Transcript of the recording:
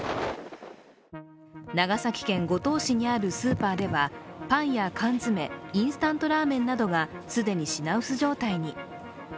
長崎県五島市にあるスーパーではパンや缶詰、インスタントラーメンなどが既に品薄状態に。